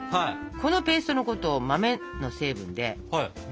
このペーストのことを豆の成分で「呉」っていいます。